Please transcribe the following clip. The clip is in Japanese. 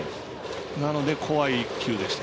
なので、怖い１球でした。